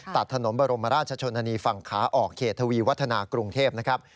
ตัดถนนบรมราชชนนีฝั่งขาออกเขตทวีวัฒนากรุงเทพนะครับ